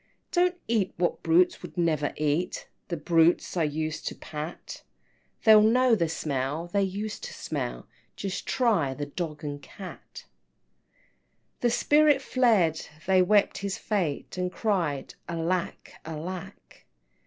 XIII. "Don't eat what brutes would never eat, The brutes I used to pat, They'll know the smell they used to smell, Just try the dog and cat!" XIV. The spirit fled they wept his fate, And cried, Alack, alack!